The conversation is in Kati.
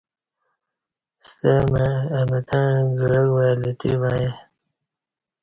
سےمع اہ متݩع گعک وای لتری وعیݩ